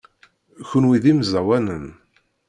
Kenwi d imẓawanen?